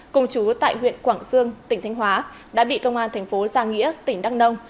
cùng chú tại huyện quảng sương tỉnh thanh hóa đã bị công an thành phố giang nghĩa tỉnh đăng nông